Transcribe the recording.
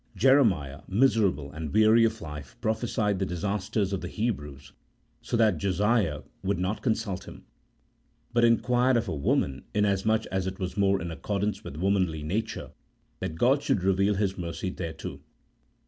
Jeremiah, miserable and weary of life, prophesied the disasters of the Hebrews, so that Josiah would not consult him, but inquired of a woman, inasmuch as it was more in accordance with womanly nature that God should reveal His mercy thereto.